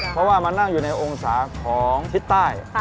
เพราะว่ามานั่งอยู่ในองศาของทิศใต้